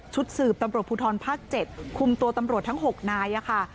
สืบตำรวจภูทรภาค๗คุมตัวตำรวจทั้ง๖นายค่ะ